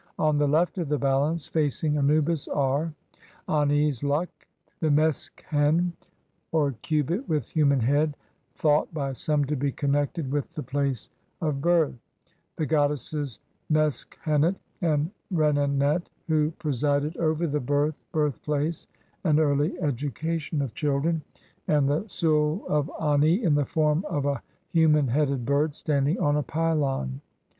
On the left of the balance, facing Anubis are :— (i) Ani's "Luck'' ; (2) the Meskhen or "cubit with human head", thought by some to be connected with the place of birth ; (3) the goddesses Meskhenct and Renenet who presided over the birth, birth place, and early education of children ; and (4) the soul of Ani in the form of a human headed bird standing on a pylon.